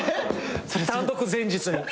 単独前日に。